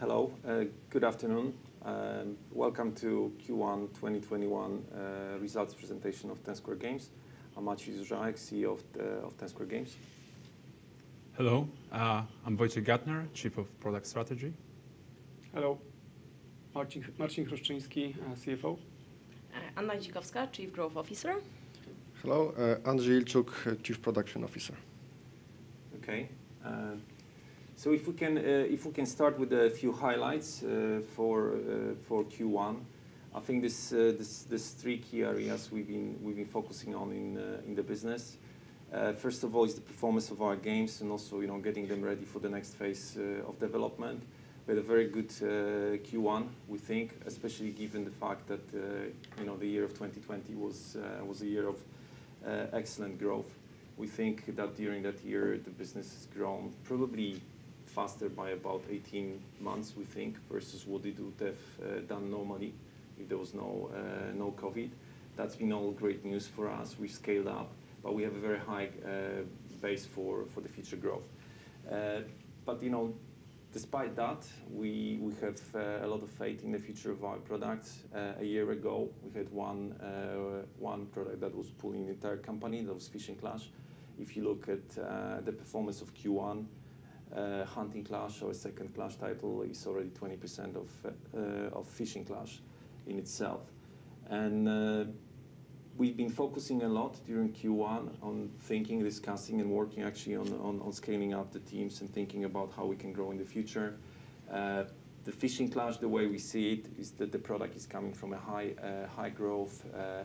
Hello. Good afternoon. Welcome to Q1 2021 Results presentation of Ten Square Games. I'm Maciej Zużałek, CEO of Ten Square Games. Hello. I'm Wojciech Gattner, Chief of Product Strategy. Hello. Marcin Chruszczyński, CFO. Anna Idzikowska, Chief Growth Officer. Hello. Andrzej Ilczuk, Chief Production Officer. If we can start with a few highlights for Q1. I think there's three key areas we've been focusing on in the business. First of all is the performance of our games and also getting them ready for the next phase of development. We had a very good Q1, we think, especially given the fact that the year 2020 was a year of excellent growth. We think that during that year, the business has grown probably faster by about 18 months, we think, versus what it would have done normally if there was no COVID. That's been all great news for us. We scaled up, but we have a very high base for the future growth. Despite that, we have a lot of faith in the future of our product. A year ago, we had one product that was pulling the entire company, that was Fishing Clash. If you look at the performance of Q1, Hunting Clash, our second Clash title, is already 20% of Fishing Clash in itself. We've been focusing a lot during Q1 on thinking, discussing, and working actually on scaling up the teams and thinking about how we can grow in the future. The Fishing Clash, the way we see it, is that the product is coming from a high growth,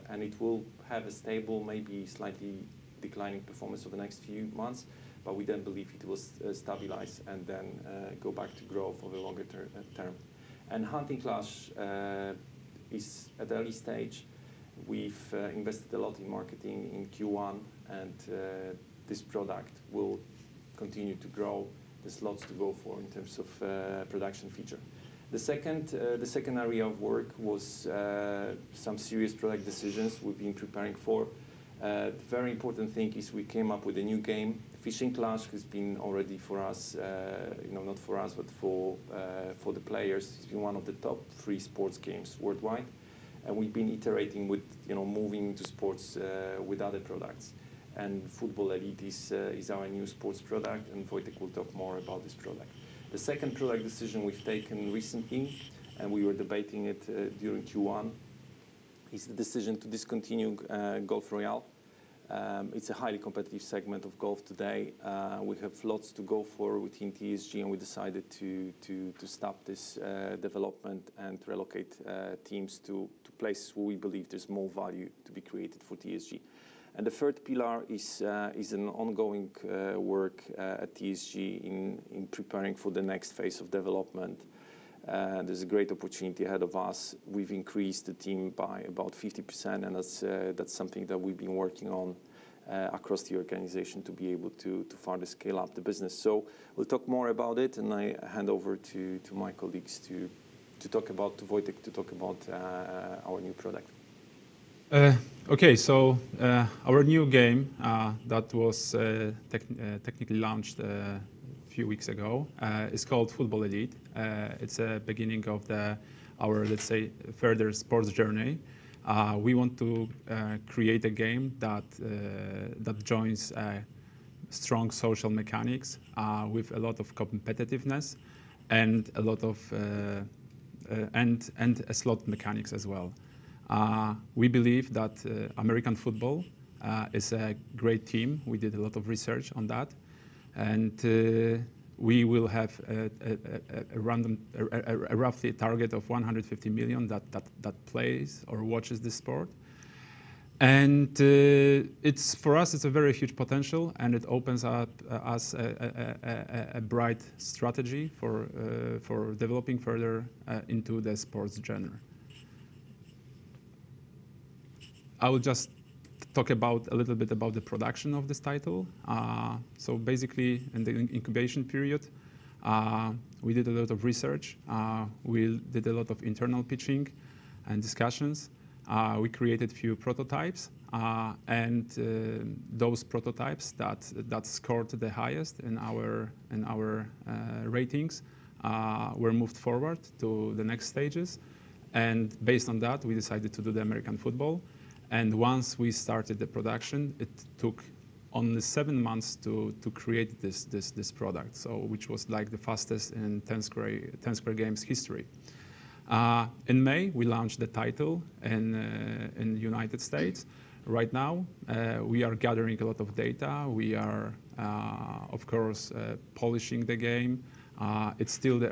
and it will have a stable, maybe slightly declining performance over the next few months, but we then believe it will stabilize and then go back to growth over the longer term. Hunting Clash is at early stage. We've invested a lot in marketing in Q1, and this product will continue to grow. There's lots to go for in terms of production feature. The second area of work was some serious product decisions we've been preparing for. A very important thing is we came up with a new game. Fishing Clash has been all ready for us, not for us, but for the players, is one of the top three sports games worldwide. We've been iterating with moving into sports with other products. Football Elite is our new sports product, and Wojciech will talk more about this product. The second product decision we've taken recently, and we were debating it during Q1, is the decision to discontinue Golf Royale. It's a highly competitive segment of golf today. We have lots to go for within TSG, and we decided to stop this development and relocate teams to places where we believe there's more value to be created for TSG. The third pillar is an ongoing work at TSG in preparing for the next phase of development. There's a great opportunity ahead of us. We've increased the team by about 50%, and that's something that we've been working on across the organization to be able to further scale up the business. We'll talk more about it, and I hand over to my colleagues, to Wojciech to talk about our new product. Okay, our new game, that was technically launched a few weeks ago, is called Football Elite. It's a beginning of our, let's say, further sports journey. We want to create a game that joins strong social mechanics, with a lot of competitiveness and a lot of slot mechanics as well. We believe that American football is a great theme. We did a lot of research on that, we will have a roughly target of 150 million that plays or watches this sport. For us, it's a very huge potential, and it opens up a bright strategy for developing further into the sports genre. I will just talk a little bit about the production of this title. Basically, in the incubation period, we did a lot of research. We did a lot of internal pitching and discussions. We created a few prototypes. Those prototypes that scored the highest in our ratings were moved forward to the next stages. Based on that, we decided to do the American football. Once we started the production, it took only seven months to create this product, so which was the fastest in Ten Square Games history. In May, we launched the title in the United States. Right now, we are gathering a lot of data. We are, of course, polishing the game. It's still the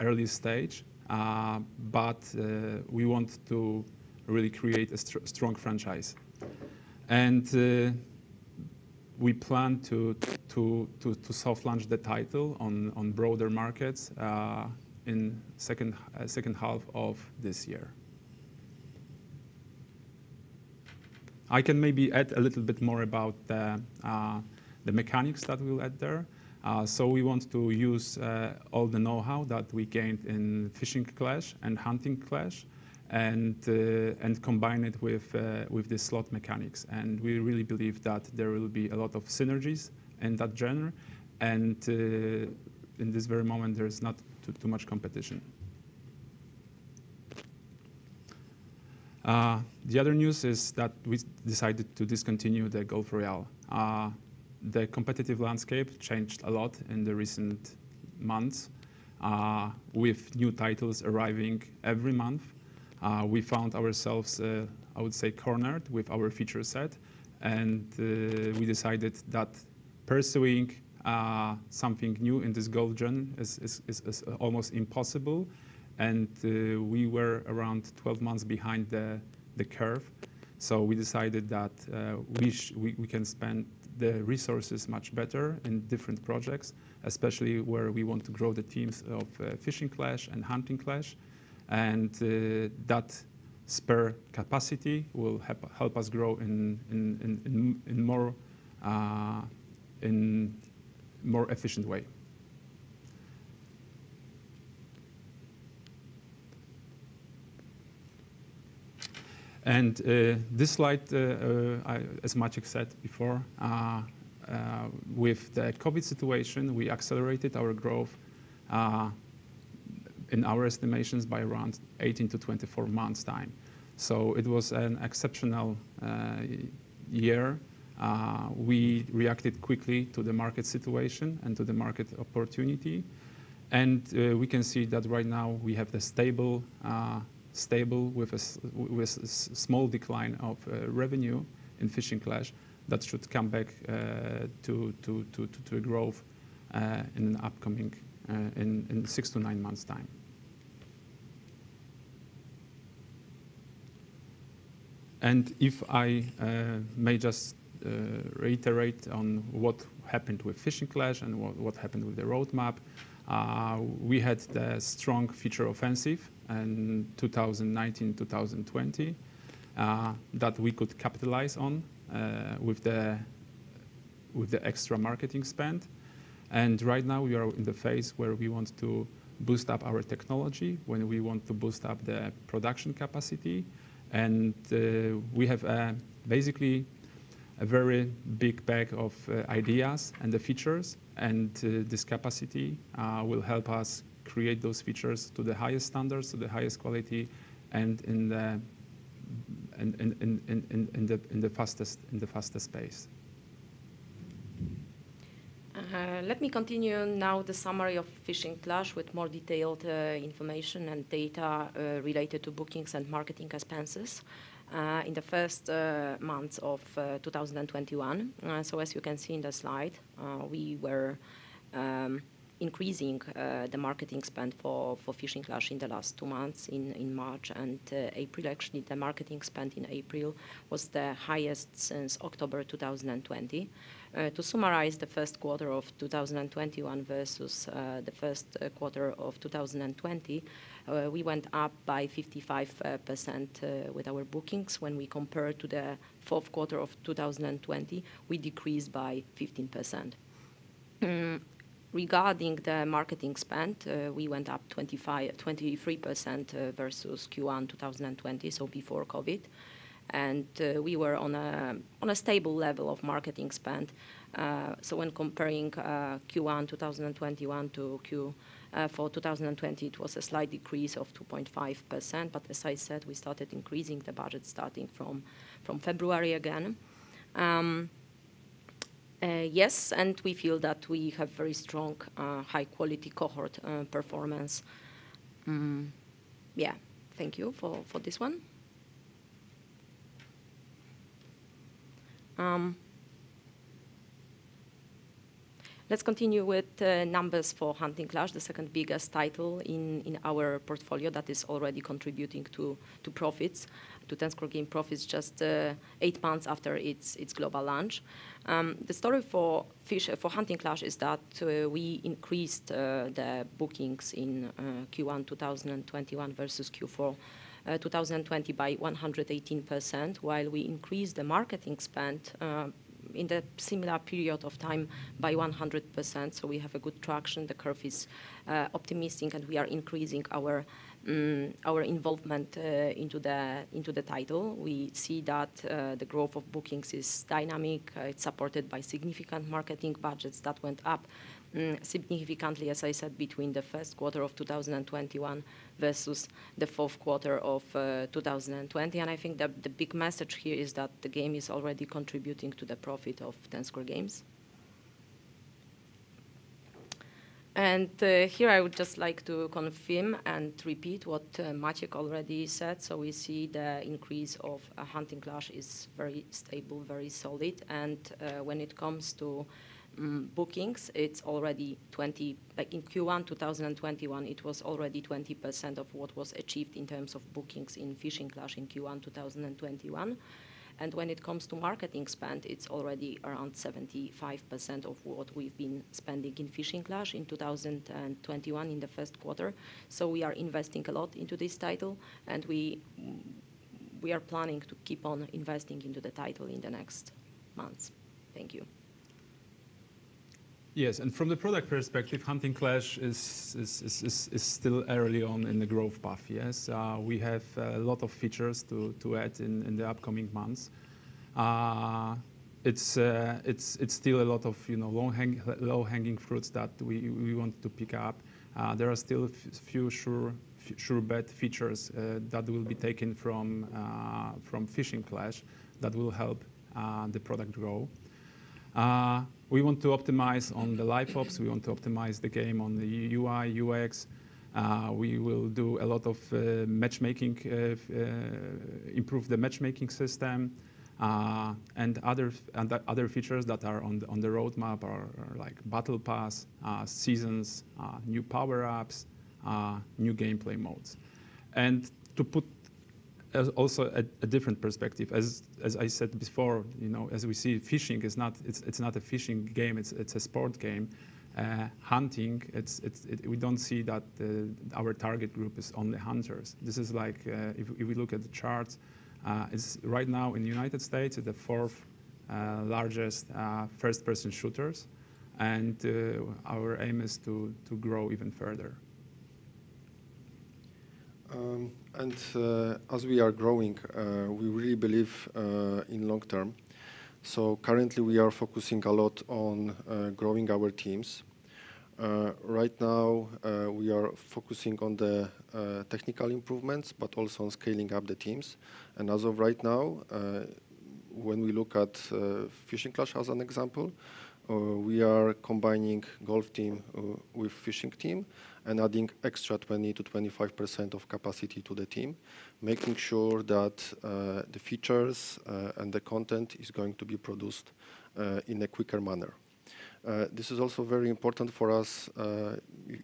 early stage, but we want to really create a strong franchise. We plan to soft launch the title on broader markets in second half of this year. I can maybe add a little bit more about the mechanics that we will add there. We want to use all the knowhow that we gained in Fishing Clash and Hunting Clash, and combine it with the slot mechanics. We really believe that there will be a lot of synergies in that genre. In this very moment, there is not too much competition. The other news is that we decided to discontinue the Golf Royale. The competitive landscape changed a lot in the recent months, with new titles arriving every month. We found ourselves, I would say, cornered with our feature set, and we decided that pursuing something new in this Golf genre is almost impossible, and we were around 12 months behind the curve. We decided that we can spend the resources much better in different projects, especially where we want to grow the teams of Fishing Clash and Hunting Clash, and that spare capacity will help us grow in more efficient way. This slide, as Maciek said before, with the COVID situation, we accelerated our growth, in our estimations, by around 18-24 months' time. It was an exceptional year. We reacted quickly to the market situation and to the market opportunity. We can see that right now we have the stable with a small decline of revenue in Fishing Clash that should come back to growth in six to nine months' time. If I may just reiterate on what happened with Fishing Clash and what happened with the roadmap, we had the strong feature offensive in 2019, 2020, that we could capitalize on with the extra marketing spend. Right now, we are in the phase where we want to boost up our technology, when we want to boost up the production capacity. We have basically a very big bag of ideas and the features, and this capacity will help us create those features to the highest standards, to the highest quality, and in the fastest pace. Let me continue now the summary of Fishing Clash with more detailed information and data related to bookings and marketing expenses in the first months of 2021. As you can see in the slide, we were increasing the marketing spend for Fishing Clash in the last two months, in March and April. Actually, the marketing spend in April was the highest since October 2020. To summarize the first quarter of 2021 versus the first quarter of 2020, we went up by 55% with our bookings. When we compare to the fourth quarter of 2020, we decreased by 15%. Regarding the marketing spend, we went up 23% versus Q1 2020, so before COVID, and we were on a stable level of marketing spend. When comparing Q1 2021 to Q4 2020, it was a slight decrease of 2.5%, but as I said, we started increasing the budget starting from February again. Yes, we feel that we have very strong, high-quality cohort performance. Yeah. Thank you for this one. Let's continue with the numbers for Hunting Clash, the second biggest title in our portfolio that is already contributing to profits, to Ten Square Games profits just eight months after its global launch. The story for Hunting Clash is that we increased the bookings in Q1 2021 versus Q4 2020 by 118%, while we increased the marketing spend in the similar period of time by 100%. We have a good traction. The curve is optimistic, and we are increasing our involvement into the title. We see that the growth of bookings is dynamic. It's supported by significant marketing budgets that went up significantly, as I said, between the first quarter of 2021 versus the fourth quarter of 2020. I think the big message here is that the game is already contributing to the profit of Ten Square Games. Here I would just like to confirm and repeat what Maciek already said. We see the increase of Hunting Clash is very stable, very solid. When it comes to bookings, in Q1 2021, it was already 20% of what was achieved in terms of bookings in Fishing Clash in Q1 2021. When it comes to marketing spend, it's already around 75% of what we've been spending in Fishing Clash in 2021 in the first quarter. We are investing a lot into this title, and we are planning to keep on investing into the title in the next months. Thank you. Yes. From the product perspective, Hunting Clash is still early on in the growth path. Yes. We have a lot of features to add in the upcoming months. It's still a lot of low-hanging fruits that we want to pick up. There are still few sure bet features that will be taken from Fishing Clash that will help the product grow. We want to optimize on the Live Ops. We want to optimize the game on the UI, UX. We will do a lot of matchmaking, improve the matchmaking system, and the other features that are on the roadmap are Battle Pass, seasons, new power-ups, new gameplay modes. To put also a different perspective, as I said before, as we see, Fishing, it's not a fishing game. It's a sport game. Hunting, we don't see that our target group is only hunters. This is like, if we look at the charts, it's right now in the U.S., the fourth largest first-person shooters, and our aim is to grow even further. As we are growing, we really believe in long-term. Currently, we are focusing a lot on growing our teams. Right now, we are focusing on the technical improvements, but also on scaling up the teams. As of right now, when we look at Fishing Clash as an example, we are combining Golf team with Fishing team and adding extra 20%-25% of capacity to the team, making sure that the features and the content is going to be produced in a quicker manner. This is also very important for us,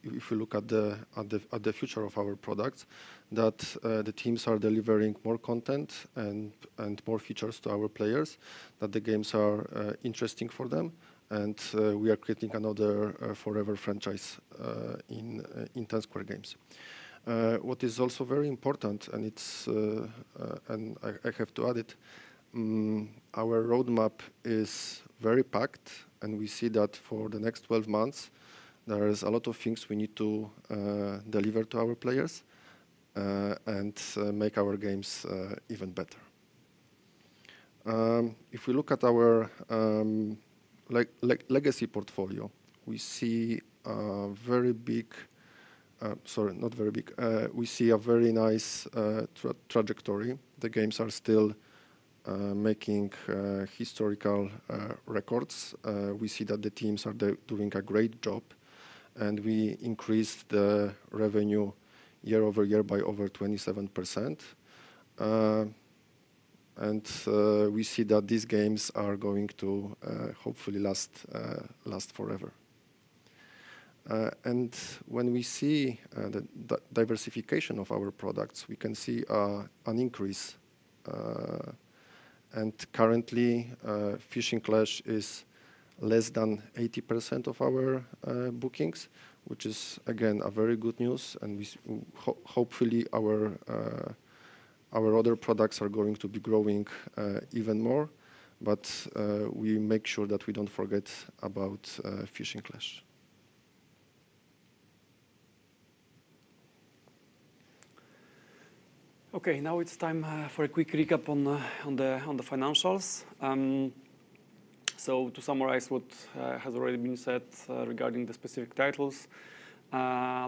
if we look at the future of our products, that the teams are delivering more content and more features to our players, that the games are interesting for them. We are creating another forever franchise in Ten Square Games. What is also very important, and I have to add it, our roadmap is very packed. We see that for the next 12 months, there is a lot of things we need to deliver to our players, and make our games even better. If we look at our legacy portfolio, we see a very nice trajectory. The games are still making historical records. We see that the teams are doing a great job. We increased the revenue year-over-year by over 27%. We see that these games are going to hopefully last forever. When we see the diversification of our products, we can see an increase. Currently, Fishing Clash is less than 80% of our bookings, which is, again, a very good news. Hopefully our other products are going to be growing even more, but we make sure that we don't forget about Fishing Clash. It's time for a quick recap on the financials. To summarize what has already been said regarding the specific titles,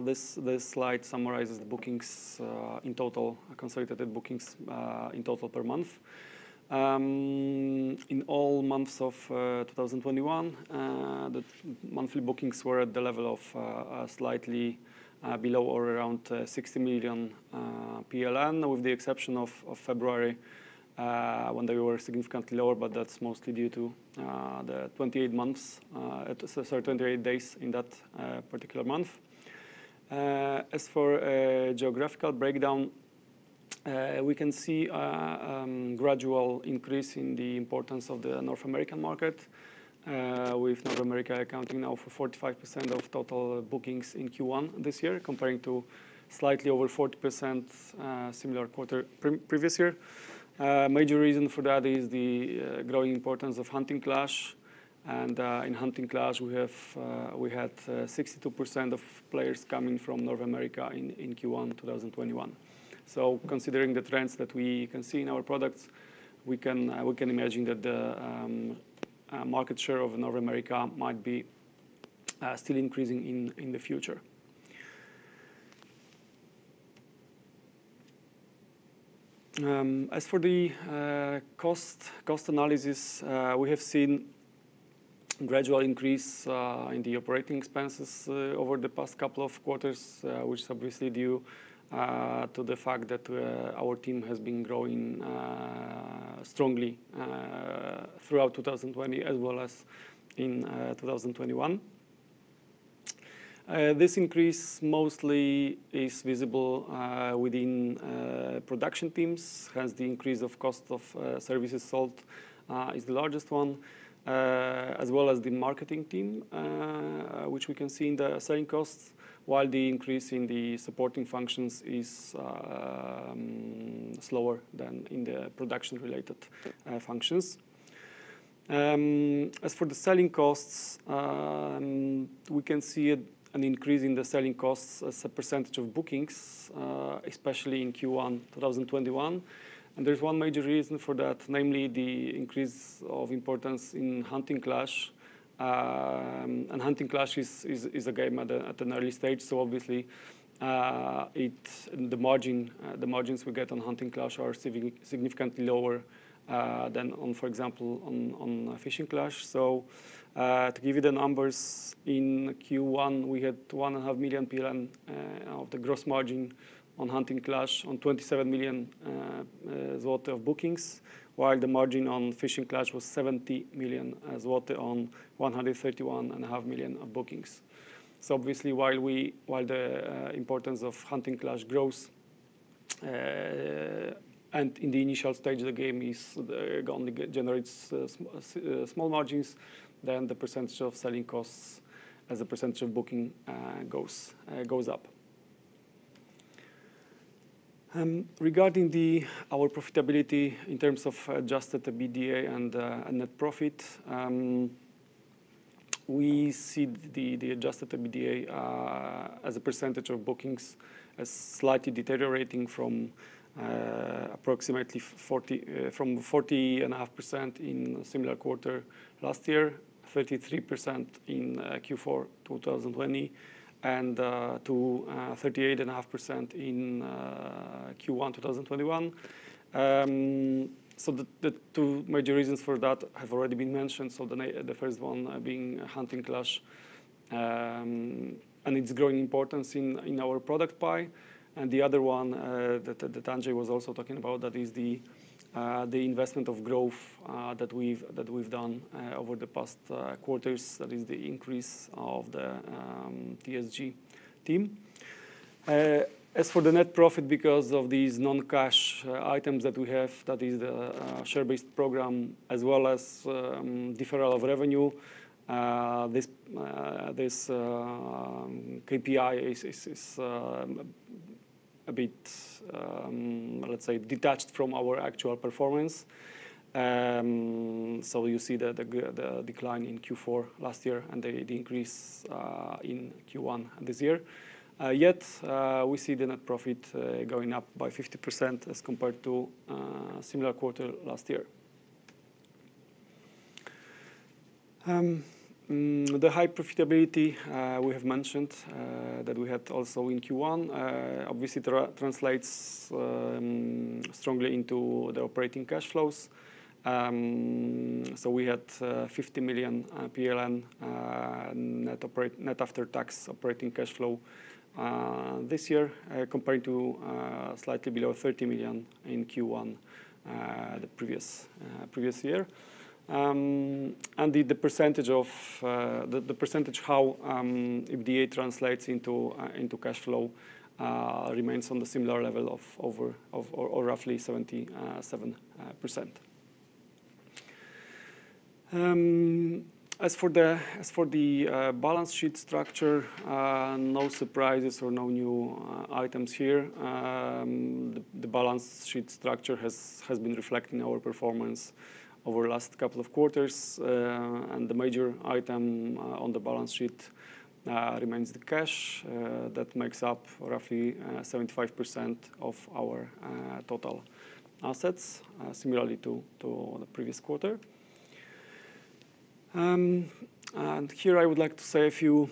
this slide summarizes the bookings in total, consolidated bookings in total per month. In all months of 2021, the monthly bookings were at the level of slightly below or around 60 million PLN, with the exception of February, when they were significantly lower. That's mostly due to the 28 days in that particular month. As for a geographical breakdown, we can see a gradual increase in the importance of the North American market, with North America accounting now for 45% of total bookings in Q1 this year, comparing to slightly over 40% similar quarter previous year. A major reason for that is the growing importance of "Hunting Clash." In "Hunting Clash," we had 62% of players coming from North America in Q1 2021. Considering the trends that we can see in our products, we can imagine that the market share of North America might be still increasing in the future. As for the cost analysis, we have seen a gradual increase in the operating expenses over the past couple of quarters, which is obviously due to the fact that our team has been growing strongly throughout 2020 as well as in 2021. This increase mostly is visible within production teams, hence the increase of cost of services sold is the largest one, as well as the marketing team, which we can see in the selling costs, while the increase in the supporting functions is slower than in the production-related functions. As for the selling costs, we can see an increase in the selling costs as a percentage of bookings, especially in Q1 2021. There's one major reason for that, namely the increase of importance in Hunting Clash. Hunting Clash is a game at an early stage, so obviously, the margins we get on Hunting Clash are significantly lower than on, for example, on Fishing Clash. To give you the numbers, in Q1, we had 1.5 million of the gross margin on Hunting Clash on 27 million of bookings, while the margin on Fishing Clash was 70 million on 131.5 million of bookings. Obviously, while the importance of Hunting Clash grows, and in the initial stages of the game it only generates small margins, then the percentage of selling costs as a percentage of booking goes up. Regarding our profitability in terms of Adjusted EBITDA and net profit, we see the Adjusted EBITDA as a percentage of bookings as slightly deteriorating from 40.5% in a similar quarter last year, 33% in Q4 2020, and to 38.5% in Q1 2021. The two major reasons for that have already been mentioned. The first one being Hunting Clash and its growing importance in our product pie, and the other one, that Andrzej was also talking about, that is the investment of growth that we've done over the past quarters. That is the increase of the TSG team. As for the net profit, because of these non-cash items that we have, that is the share-based program as well as deferral of revenue, this KPI is a bit, let's say, detached from our actual performance. You see the decline in Q4 last year and the increase in Q1 this year. We see the net profit going up by 50% as compared to a similar quarter last year. The high profitability we have mentioned that we had also in Q1 obviously translates strongly into the operating cash flows. We had 50 million PLN net after tax operating cash flow this year compared to slightly below 30 million in Q1 the previous year. The percentage how EBITDA translates into cash flow remains on the similar level of roughly 77%. As for the balance sheet structure, no surprises or no new items here. The balance sheet structure has been reflecting our performance over the last couple of quarters. The major item on the balance sheet remains the cash that makes up roughly 75% of our total assets, similarly to the previous quarter. Here I would like to say a few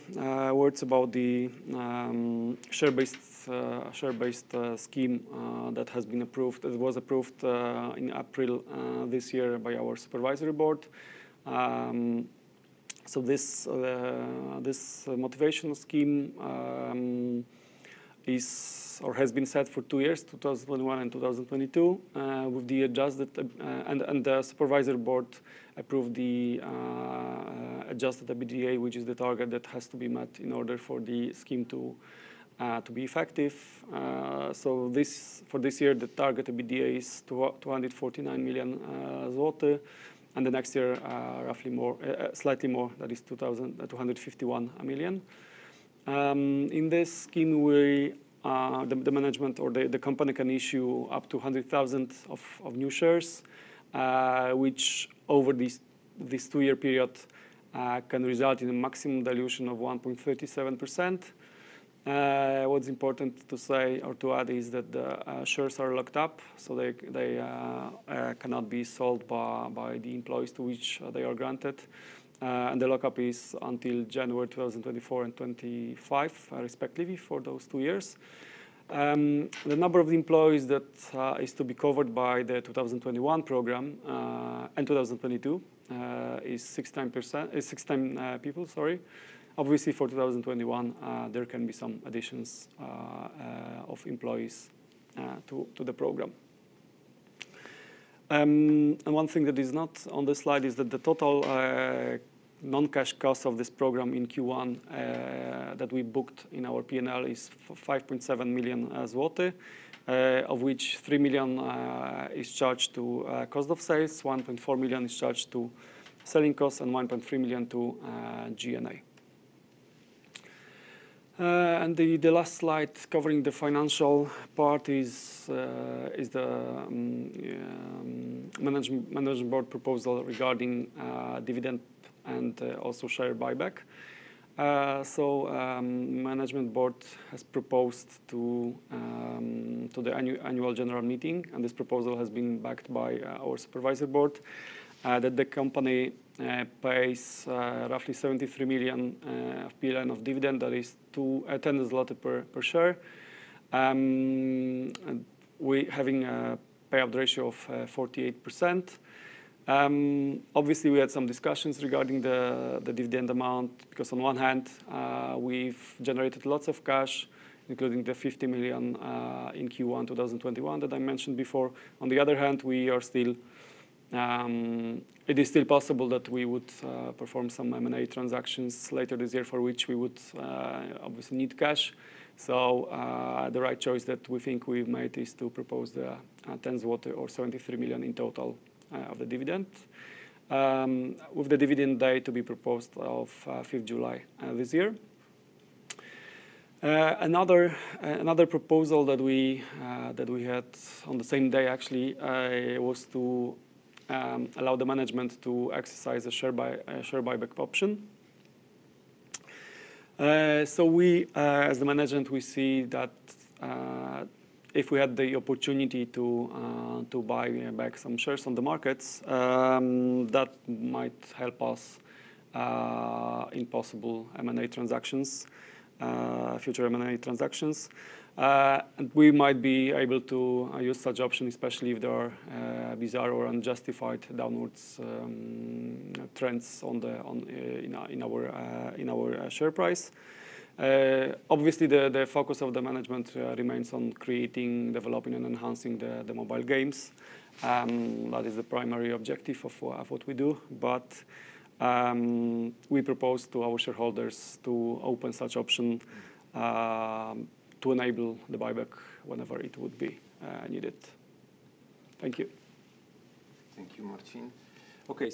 words about the share-based scheme that was approved in April this year by our Supervisory Board. This motivational scheme has been set for two years, 2021 and 2022. The Supervisory Board approved the Adjusted EBITDA, which is the target that has to be met in order for the scheme to be effective. For this year, the target EBITDA is 249 million zloty, and the next year, slightly more, that is 251 million. In this scheme, the management or the company can issue up to 100,000 of new shares, which over this two-year period can result in a maximum dilution of 1.37%. What is important to say or to add is that the shares are locked up, so they cannot be sold by the employees to which they are granted. The lock-up is until January 2024 and 2025, respectively, for those two years. The number of employees that is to be covered by the 2021 program and 2022 is 16%. 16 people, sorry. Obviously, for 2021, there can be some additions of employees to the program. One thing that is not on this slide is that the total non-cash cost of this program in Q1 that we booked in our P&L is 5.7 million zloty, of which 3 million is charged to cost of sales, 1.4 million is charged to selling costs, and 1.3 million to G&A. The last slide covering the financial part is the management board proposal regarding dividend and also share buyback. Management board has proposed to the annual general meeting, and this proposal has been backed by our supervisor board, that the company pays roughly 73 million PLN of dividend, that is 10 zloty per share, having a payout ratio of 48%. Obviously, we had some discussions regarding the dividend amount because, on one hand, we've generated lots of cash, including the 50 million in Q1 2021 that I mentioned before. On the other hand, it is still possible that we would perform some M&A transactions later this year, for which we would obviously need cash. The right choice that we think we've made is to propose the PLN 10 or 73 million in total of the dividend, with the dividend date to be proposed of July 5th of this year. Another proposal that we had on the same day actually, was to allow the management to exercise a share buyback option. We, as the management, we see that if we had the opportunity to buy back some shares on the markets, that might help us in possible M&A transactions, future M&A transactions. We might be able to use such option, especially if there are bizarre or unjustified downwards trends in our share price. Obviously, the focus of the management remains on creating, developing, and enhancing the mobile games. That is the primary objective of what we do. We propose to our shareholders to open such option to enable the buyback whenever it would be needed. Thank you. Thank you, Marcin. Okay,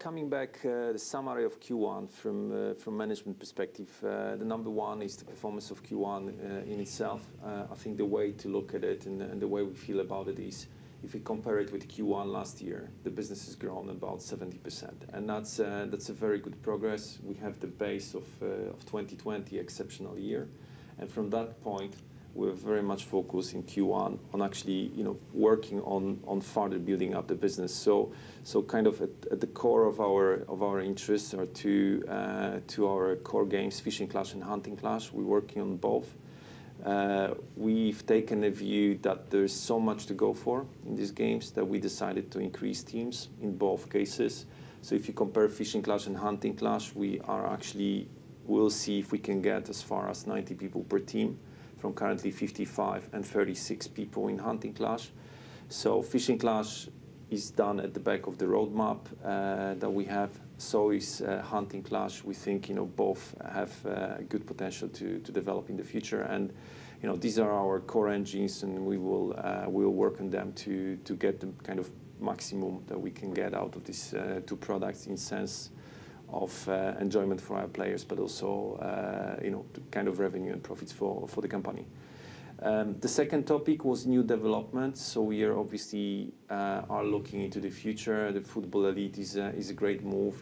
coming back, the summary of Q1 from management perspective. The number one is the performance of Q1 in itself. I think the way to look at it and the way we feel about it is, if we compare it with Q1 last year, the business has grown about 70%, and that's a very good progress. We have the base of 2020, exceptional year, and from that point, we're very much focused in Q1 on actually working on further building up the business. At the core of our interests are to our core games, Fishing Clash and Hunting Clash. We're working on both. We've taken the view that there's so much to go for in these games that we decided to increase teams in both cases. If you compare Fishing Clash and Hunting Clash, we'll see if we can get as far as 90 people per team from currently 55 and 36 people in Hunting Clash. Fishing Clash is done at the back of the roadmap that we have, so is Hunting Clash. We think both have good potential to develop in the future. These are our core engines, and we will work on them to get the maximum that we can get out of these two products in sense of enjoyment for our players, but also, the revenue and profits for the company. The second topic was new development. We obviously are looking into the future. The Football Elite is a great move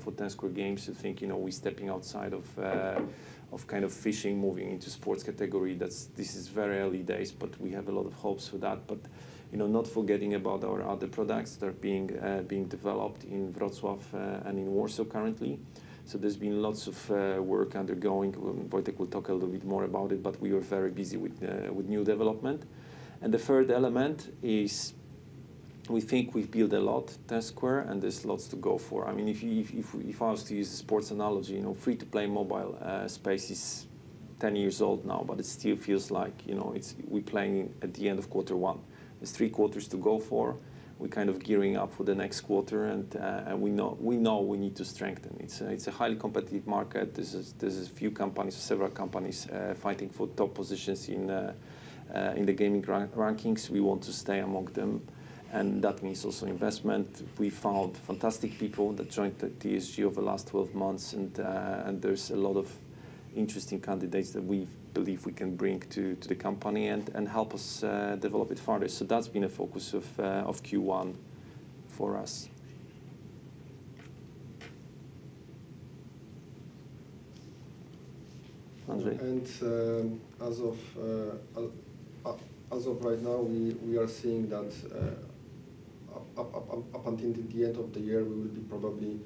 for Ten Square Games. I think we're stepping outside of fishing, moving into sports category. This is very early days, but we have a lot of hopes for that. Not forgetting about our other products that are being developed in Wrocław and in Warsaw currently. There's been lots of work undergoing. Wojciech will talk a little bit more about it, but we are very busy with new development. The third element is we think we've built a lot, Ten Square, and there's lots to go for. If I was to use a sports analogy, free-to-play mobile space is 10 years old now, but it still feels like we're playing at the end of quarter one. There's three quarters to go for. We're gearing up for the next quarter, and we know we need to strengthen. It's a highly competitive market. There's a few companies, several companies, fighting for top positions in the gaming rankings. We want to stay among them, and that means also investment. We found fantastic people that joined TSG over the last 12 months. interesting candidates that we believe we can bring to the company and help us develop it further. That's been a focus of Q1 for us. Andrzej? As of right now, we are seeing that up until the end of the year, we will be probably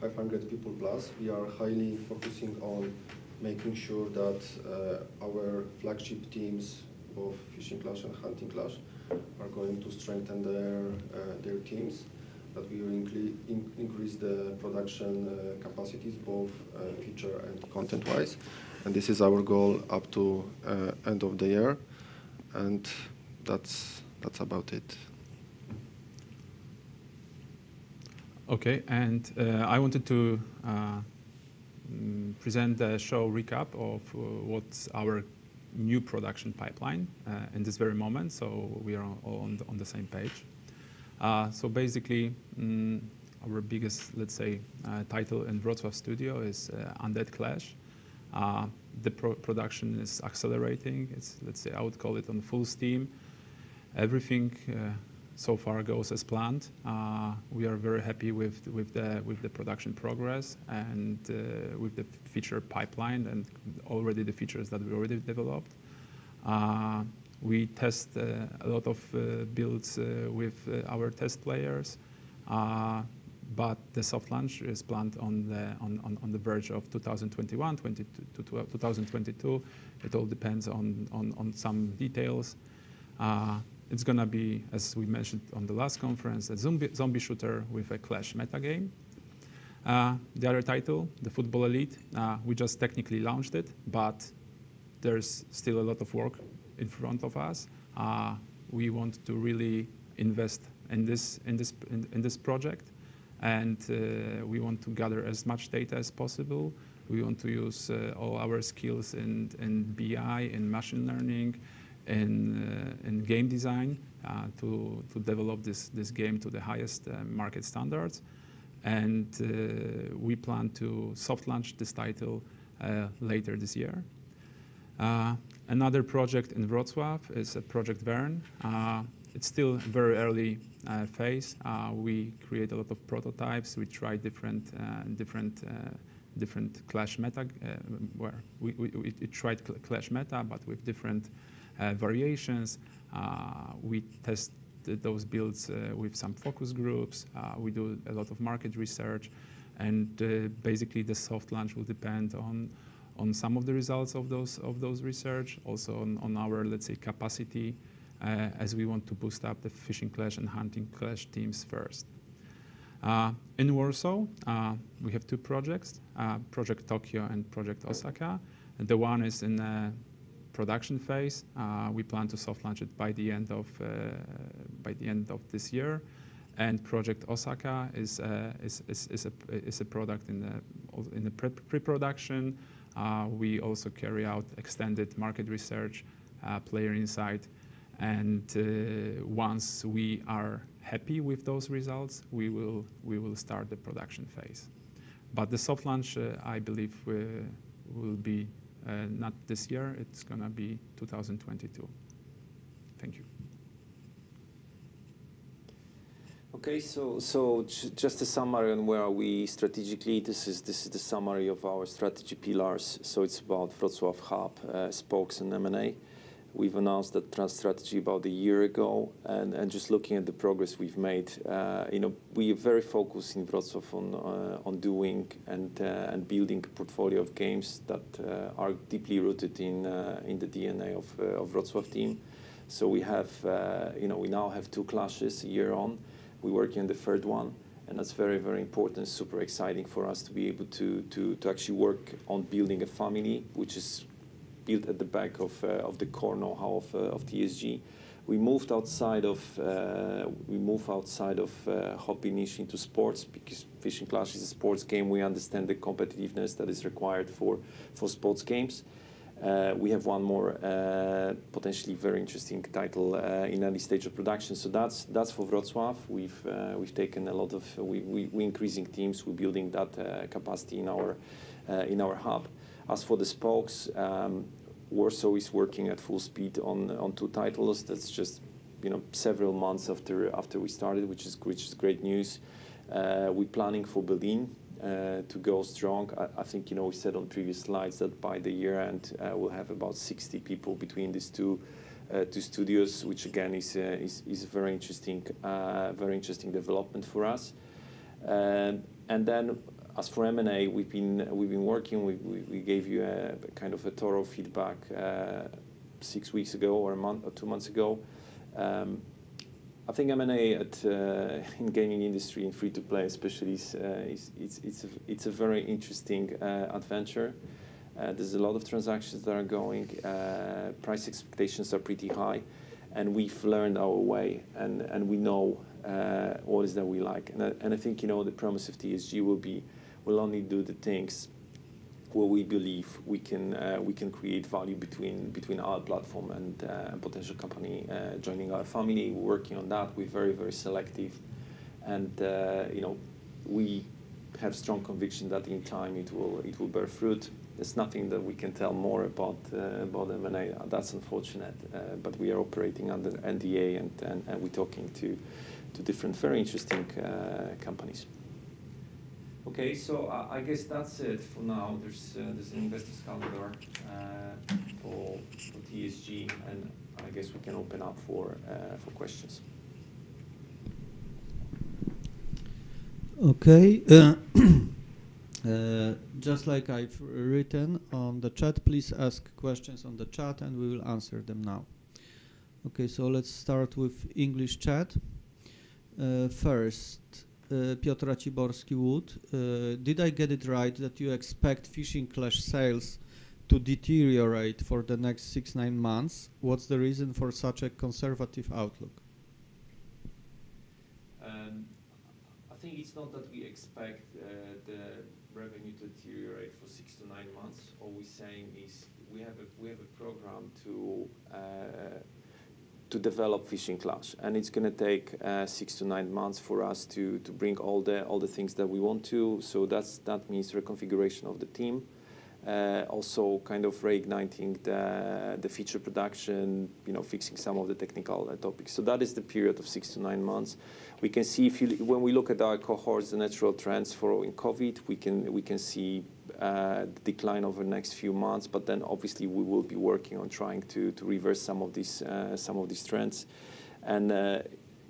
500 people plus. We are highly focusing on making sure that our flagship teams, both Fishing Clash and Hunting Clash, are going to strengthen their teams. That we will increase the production capacities, both feature and content-wise. This is our goal up to end of the year, and that's about it. Okay. I wanted to present the show recap of what's our new production pipeline at this very moment, so we are all on the same page. Basically, our biggest, let's say, title in Wrocław studio is Undead Clash. The production is accelerating. Let's say, I would call it on full steam. Everything so far goes as planned. We are very happy with the production progress and with the feature pipeline and already the features that we already developed. We test a lot of builds with our test players. The soft launch is planned on the verge of 2021, 2022. It all depends on some details. It's going to be, as we mentioned on the last conference, a zombie shooter with a clash metagame. The other title, Football Elite, we just technically launched it, but there's still a lot of work in front of us. We want to really invest in this project. We want to gather as much data as possible. We want to use all our skills in BI and machine learning and game design, to develop this game to the highest market standards. We plan to soft launch this title later this year. Another project in Wrocław is Project Verne. It's still very early phase. We create a lot of prototypes. We try different clash meta, with different variations. We test those builds with some focus groups. We do a lot of market research. Basically, the soft launch will depend on some of the results of those research. Also on our, let's say, capacity, as we want to boost up the Fishing Clash and Hunting Clash teams first. In Warsaw, we have two projects, Project Tokyo and Project Osaka. The one is in the production phase. We plan to soft launch it by the end of this year. Project Osaka is a product in the pre-production. We also carry out extended market research, player insight, and once we are happy with those results, we will start the production phase. The soft launch, I believe, will be not this year. It's going to be 2022. Thank you. Okay, just a summary on where are we strategically. This is the summary of our strategy pillars. It's about Wrocław hub, spokes, and M&A. We've announced the current strategy about a year ago, and just looking at the progress we've made. We are very focused in Wrocław on doing and building a portfolio of games that are deeply rooted in the DNA of Wrocław team. We now have two Clashes year on. We're working on the third one, and that's very, very important. Super exciting for us to be able to actually work on building a family, which is built at the back of the core know-how of TSG. We moved outside of hobby niche into sports because Fishing Clash is a sports game. We understand the competitiveness that is required for sports games. We have one more potentially very interesting title in early stage of production. That's for Wrocław. We're increasing teams. We're building that capacity in our hub. As for the spokes, Warsaw is working at full speed on two titles. That's just several months after we started, which is great news. We're planning for Berlin to go strong. I think, we said on previous slides that by the year-end, we'll have about 60 people between these two studios, which again, is a very interesting development for us. As for M&A, we've been working. We gave you a kind of a thorough feedback six weeks ago, or a month or two months ago. I think M&A in gaming industry and free-to-play especially is a very interesting adventure. There's a lot of transactions that are going. Price expectations are pretty high, and we've learned our way, and we know always that we like. I think, the promise of TSG will be, we'll only do the things where we believe we can create value between our platform and potential company joining our family. We're working on that. We're very, very selective. We have strong conviction that in time it will bear fruit. There's nothing that we can tell more about M&A. That's unfortunate. We are operating under NDA, and we're talking to different, very interesting companies. Okay. I guess that's it for now. There's an investors calendar for TSG, and I guess we can open up for questions. Okay. Just like I've written on the chat, please ask questions on the chat and we will answer them now. Okay, let's start with English chat. First, "Did I get it right that you expect Fishing Clash sales to deteriorate for the next six, nine months? What's the reason for such a conservative outlook? I think it's not that we expect the revenue to deteriorate for six to nine months. All we're saying is we have a program to develop Fishing Clash, and it's going to take six to nine months for us to bring all the things that we want to. That means reconfiguration of the team. Also, kind of reigniting the feature production, fixing some of the technical topics. That is the period of six to nine months. We can see when we look at our cohorts, the natural trends following COVID, we can see a decline over the next few months, but then obviously we will be working on trying to reverse some of these trends.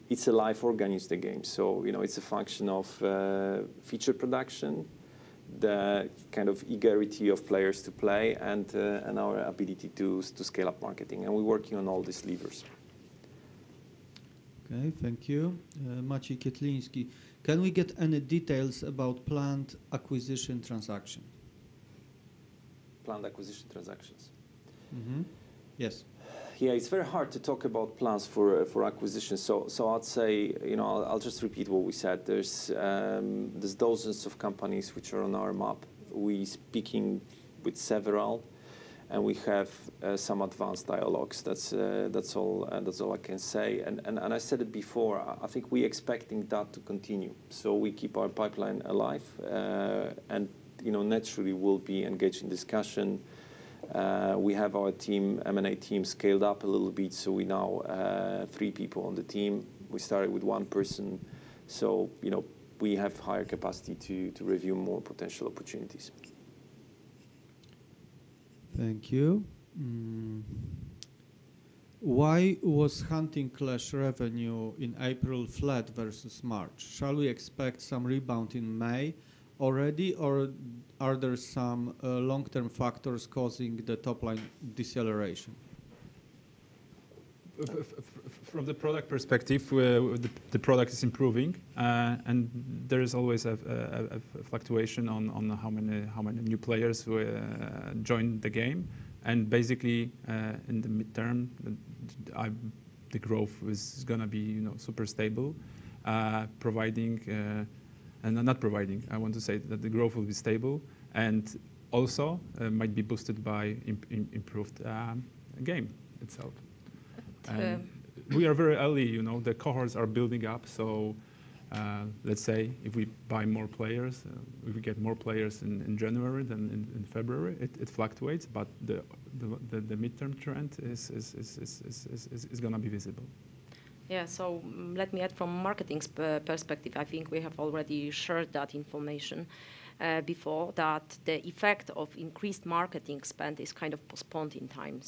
It's a live organized game, so it's a function of feature production, the kind of eagerness of players to play, and our ability to scale up marketing. We're working on all these levers. Okay, thank you. Maciej {audio distortion], "Can we get any details about planned acquisition transaction? Planned acquisition transactions? Yes. Yeah. It's very hard to talk about plans for acquisition. I'd say, I'll just repeat what we said. There's dozens of companies which are on our map. We're speaking with several, and we have some advanced dialogues. That's all I can say. I said it before, I think we're expecting that to continue. We keep our pipeline alive, and naturally, we'll be engaged in discussion. We have our M&A team scaled up a little bit, so we now have three people on the team. We started with one person, so we have higher capacity to review more potential opportunities. Thank you. "Why was Hunting Clash revenue in April flat versus March? Shall we expect some rebound in May already, or are there some long-term factors causing the top-line deceleration? From the product perspective, the product is improving. There is always a fluctuation on how many new players who join the game. Basically, in the midterm, the growth is going to be super stable. I want to say that the growth will be stable, and also might be boosted by improved game itself. It's fair. We are very early. The cohorts are building up. Let's say if we buy more players, if we get more players in January than in February, it fluctuates, but the midterm trend is going to be visible. Yeah. Let me add from marketing's perspective, I think we have already shared that information before, that the effect of increased marketing spend is kind of postponed in time.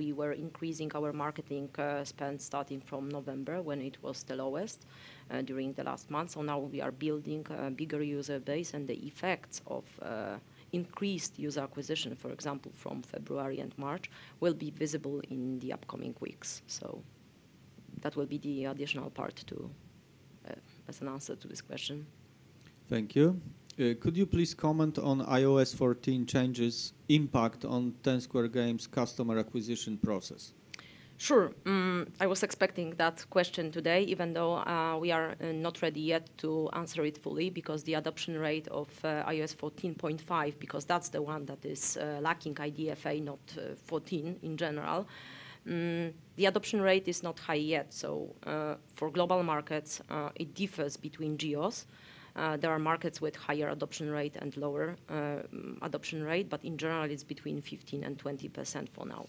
We were increasing our marketing spend starting from November, when it was the lowest during the last month. Now we are building a bigger user base, and the effects of increased user acquisition, for example, from February and March, will be visible in the upcoming weeks. That will be the additional part too, as an answer to this question. Thank you. Could you please comment on iOS 14 changes impact on Ten Square Games' customer acquisition process? Sure. I was expecting that question today, even though we are not ready yet to answer it fully because the adoption rate of iOS 14.5, because that's the one that is lacking IDFA, not iOS 14 in general. The adoption rate is not high yet. For global markets, it differs between geos. There are markets with higher adoption rate and lower adoption rate, but in general, it's between 15% and 20% for now.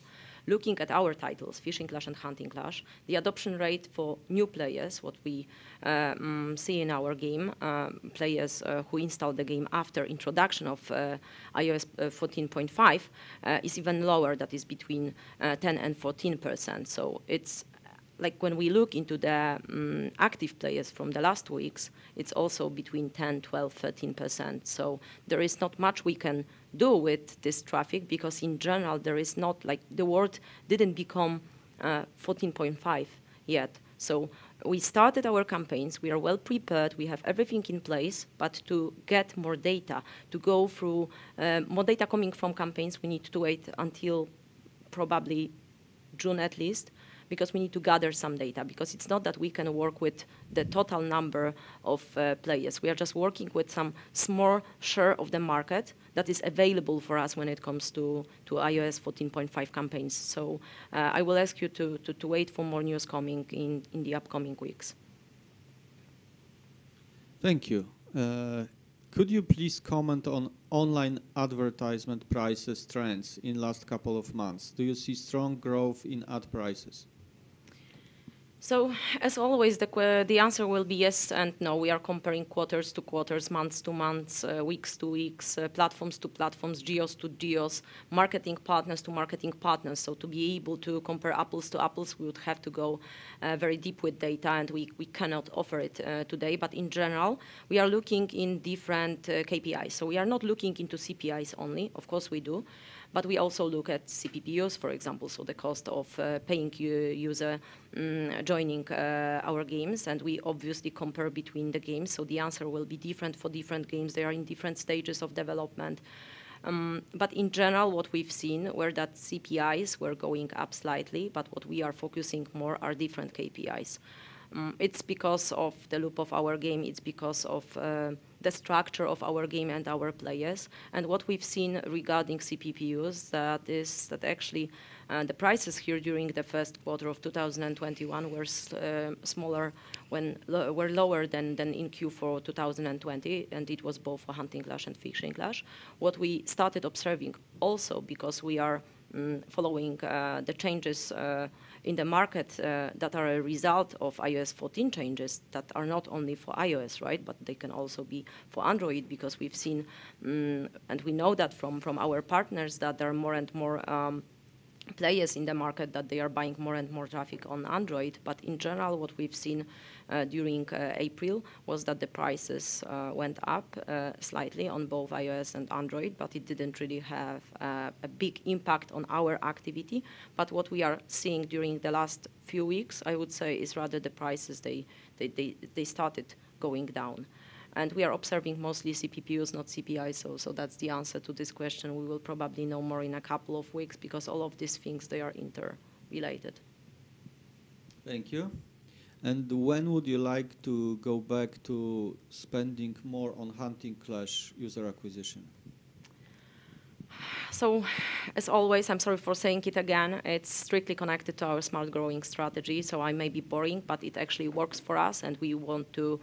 Looking at our titles, Fishing Clash and Hunting Clash, the adoption rate for new players, what we see in our game, players who installed the game after introduction of iOS 14.5 is even lower. That is between 10% and 14%. It's like when we look into the active players from the last weeks, it's also between 10%, 12%, 13%. There is not much we can do with this traffic because in general, the world didn't become iOS 14.5 yet. We started our campaigns. We are well-prepared. We have everything in place. To get more data, to go through more data coming from campaigns, we need to wait until probably June at least, because we need to gather some data, because it's not that we can work with the total number of players. We are just working with some small share of the market that is available for us when it comes to iOS 14.5 campaigns. I will ask you to wait for more news coming in the upcoming weeks. Thank you. Could you please comment on online advertisement prices trends in last couple of months? Do you see strong growth in ad prices? As always, the answer will be yes and no. We are comparing quarters to quarters, months to months, weeks to weeks, platforms to platforms, geos to geos, marketing partners to marketing partners. To be able to compare apples to apples, we would have to go very deep with data, and we cannot offer it today. In general, we are looking in different KPIs. We are not looking into CPIs only. Of course we do, but we also look at CPUs, for example. The cost of paying user joining our games. We obviously compare between the games. The answer will be different for different games. They are in different stages of development. In general, what we've seen were that CPIs were going up slightly, but what we are focusing more are different KPIs. It's because of the loop of our game, it's because of the structure of our game and our players. What we've seen regarding CPIs, that is that actually, the prices here during the first quarter of 2021 were lower than in Q4 2020, and it was both for Hunting Clash and Fishing Clash. What we started observing also because we are following the changes in the market, that are a result of iOS 14 changes that are not only for iOS, right? They can also be for Android, because we've seen, and we know that from our partners, that there are more and more players in the market, that they are buying more and more traffic on Android. In general, what we've seen during April was that the prices went up slightly on both iOS and Android, but it didn't really have a big impact on our activity. What we are seeing during the last few weeks, I would say, is rather the prices, they started going down. We are observing mostly CPUs, not CPIs. That's the answer to this question. We will probably know more in a couple of weeks because all of these things, they are interrelated. Thank you. When would you like to go back to spending more on "Hunting Clash" user acquisition? As always, I'm sorry for saying it again, it's strictly connected to our smart growing strategy. I may be boring, but it actually works for us, and we want to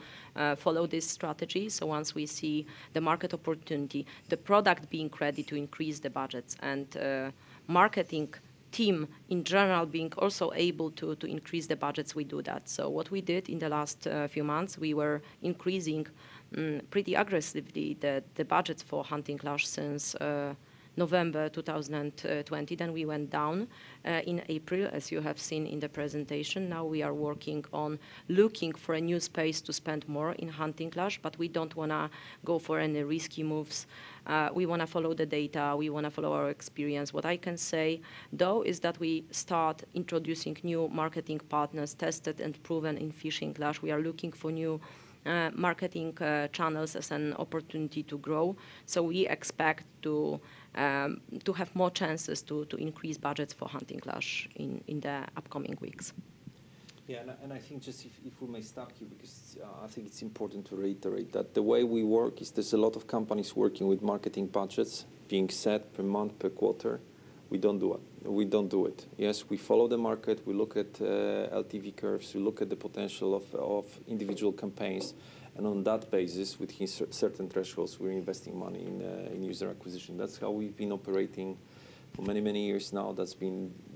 follow this strategy. Once we see the market opportunity, the product being ready to increase the budgets, and marketing team in general being also able to increase the budgets, we do that. What we did in the last few months, we were increasing pretty aggressively the budgets for Hunting Clash since November 2020. We went down in April, as you have seen in the presentation. Now we are working on looking for a new space to spend more in Hunting Clash, but we don't want to go for any risky moves. We want to follow the data. We want to follow our experience. What I can say, though, is that we start introducing new marketing partners, tested and proven in "Fishing Clash." We are looking for new marketing channels as an opportunity to grow. We expect to have more chances to increase budgets for "Hunting Clash" in the upcoming weeks. Yeah, I think just if we may stop you, because I think it's important to reiterate that the way we work is there's a lot of companies working with marketing budgets being set per month, per quarter. We don't do it. Yes, we follow the market. We look at LTV curves. We look at the potential of individual campaigns. On that basis, with certain thresholds, we're investing money in user acquisition. That's how we've been operating for many, many years now. That's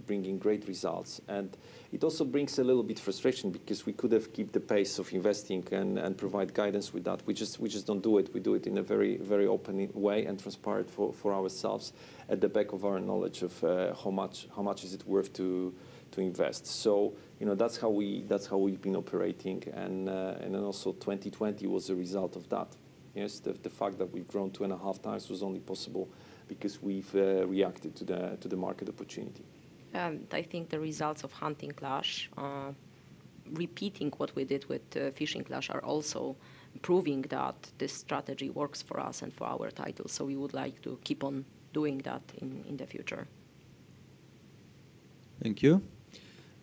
been bringing great results. It also brings a little bit frustration because we could have keep the pace of investing and provide guidance with that. We just don't do it. We do it in a very open way and transparent for ourselves at the back of our knowledge of how much is it worth to invest. That's how we've been operating. Also 2020 was a result of that. Yes. The fact that we've grown 2.5x was only possible because we've reacted to the market opportunity. I think the results of "Hunting Clash" are repeating what we did with "Fishing Clash," are also proving that this strategy works for us and for our title. We would like to keep on doing that in the future. Thank you.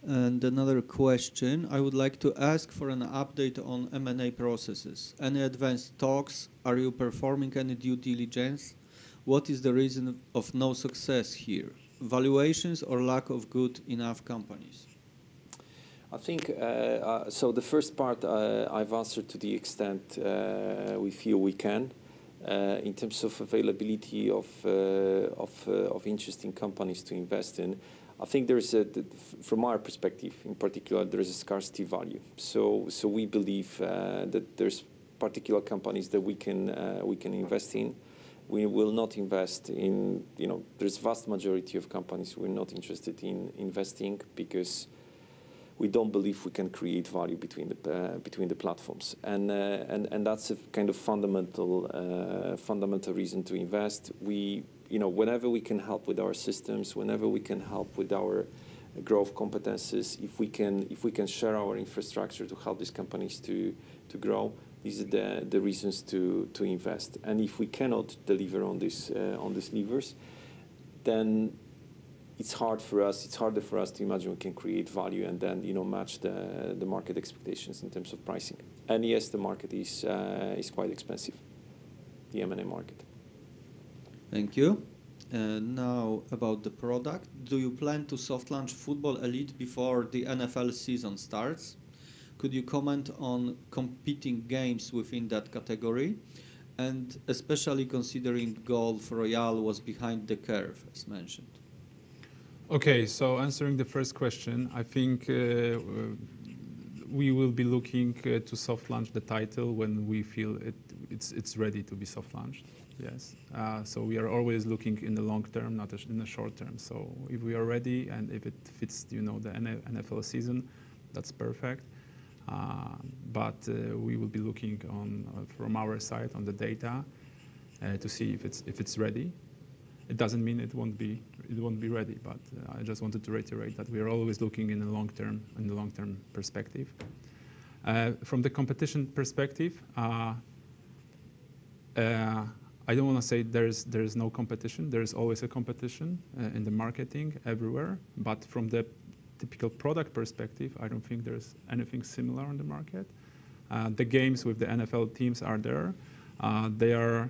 Another question, I would like to ask for an update on M&A processes. Any advanced talks? Are you performing any due diligence? What is the reason of no success here? Valuations or lack of good enough companies? The first part, I've answered to the extent we feel we can. In terms of availability of interesting companies to invest in, I think from our perspective, in particular, there is a scarcity value. We believe that there's particular companies that we can invest in. There's vast majority of companies we're not interested in investing because we don't believe we can create value between the platforms. That's a kind of fundamental reason to invest. Whenever we can help with our systems, whenever we can help with our growth competencies, if we can share our infrastructure to help these companies to grow, these are the reasons to invest. If we cannot deliver on these levers, then it's harder for us to imagine we can create value and then match the market expectations in terms of pricing. Yes, the market is quite expensive, the M&A market. Thank you. Now about the product. Do you plan to soft launch Football Elite before the NFL season starts? Could you comment on competing games within that category, especially considering Golf Royale was behind the curve, as mentioned? Okay. Answering the first question, I think we will be looking to soft launch the title when we feel it's ready to be soft launched. Yes. We are always looking in the long term, not in the short term. If we are ready and if it fits the NFL season, that's perfect. We will be looking from our side on the data to see if it's ready. It doesn't mean it won't be ready, but I just wanted to reiterate that we are always looking in the long term perspective. From the competition perspective, I don't want to say there is no competition. There is always a competition in the marketing everywhere, but from the typical product perspective, I don't think there's anything similar on the market. The games with the NFL teams are there. They are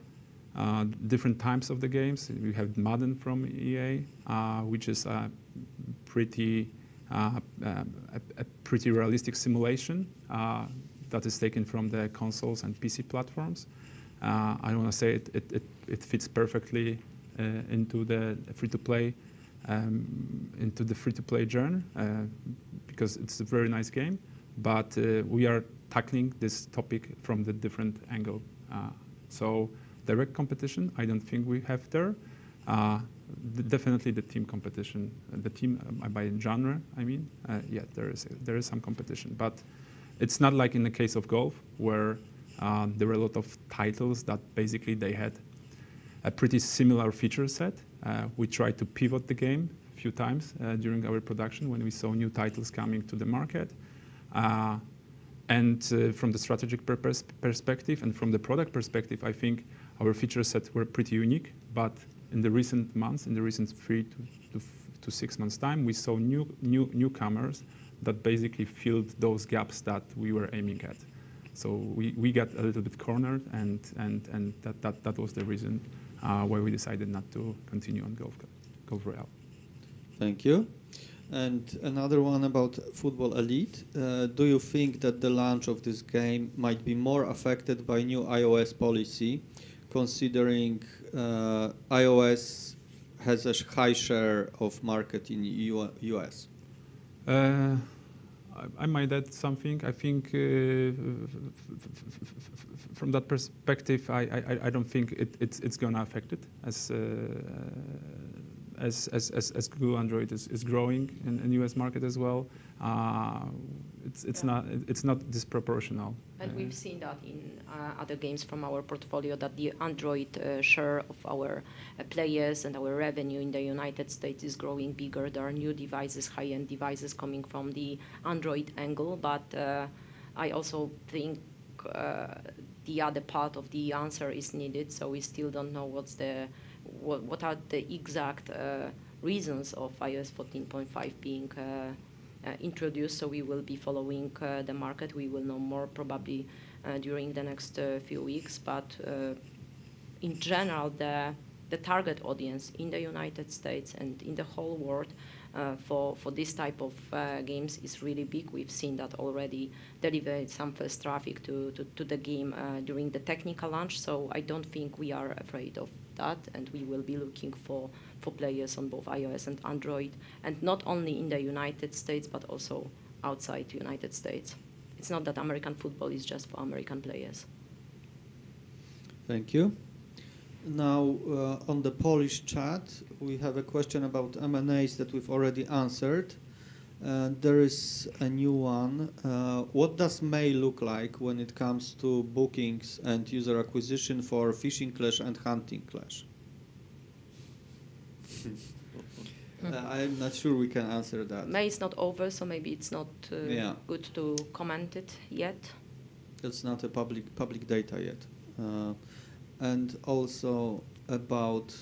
different types of the games. We have "Madden" from EA, which is a pretty realistic simulation that is taken from the consoles and PC platforms. I don't want to say it fits perfectly into the free-to-play journey, because it's a very nice game, but we are tackling this topic from the different angle. Direct competition, I don't think we have there. Definitely the team competition. The team by genre, I mean. Yeah, there is some competition. It's not like in the case of Golf where there were a lot of titles that basically they had a pretty similar feature set. We tried to pivot the game a few times during our production when we saw new titles coming to the market. From the strategic perspective and from the product perspective, I think our feature sets were pretty unique. In the recent months, in the recent three to six months time, we saw newcomers that basically filled those gaps that we were aiming at. We got a little bit cornered, and that was the reason why we decided not to continue on Golf Royale. Thank you. Another one about Football Elite. Do you think that the launch of this game might be more affected by new iOS policy, considering iOS has a high share of market in the U.S.? I might add something. I think from that perspective, I don't think it's going to affect it, as Google Android is growing in U.S. market as well. It's not disproportional. We've seen that in other games from our portfolio, that the Android share of our players and our revenue in the U.S. is growing bigger. There are new devices, high-end devices coming from the Android angle. I also think the other part of the answer is needed. We still don't know what are the exact reasons of iOS 14.5 being introduced. We will be following the market. We will know more probably during the next few weeks. In general, the target audience in the U.S. and in the whole world, for this type of games is really big. We've seen that already delivered some first traffic to the game during the technical launch. I don't think we are afraid of that, and we will be looking for players on both iOS and Android, and not only in the U.S. but also outside U.S. It's not that American football is just for American players. Thank you. On the Polish chat, we have a question about M&As that we've already answered. There is a new one. What does May look like when it comes to bookings and user acquisition for Fishing Clash and Hunting Clash? I'm not sure we can answer that. May is not over, so maybe it's not. Yeah Good to comment it yet. It's not a public data yet. Also about